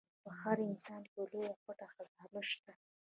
په هر انسان کې لويه پټه خزانه شته.